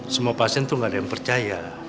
semua pasien tuh gak ada yang percaya